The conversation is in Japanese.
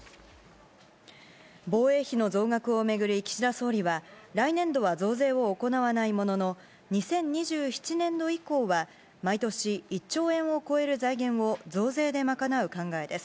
防衛費の増額を巡り岸田総理は、来年度は増税を行わないものの、２０２７年度以降は、毎年１兆円を超える財源を増税で賄う考えです。